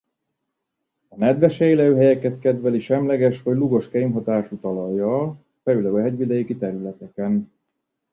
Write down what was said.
A nedves élőhelyeket kedveli semleges vagy lúgos kémhatású talajjal főleg a hegyvidéki területeken.